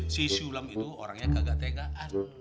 si syulam itu orangnya kagak tegaan